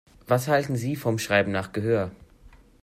Was halten Sie vom Schreiben nach Gehör?